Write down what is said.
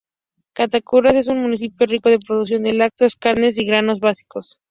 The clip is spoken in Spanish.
Catacamas es un municipio rico en producción de lácteos, carnes y granos básicos.